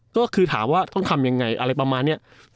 ก็คือถามว่าต้องทำยังไงอะไรประมาณนี้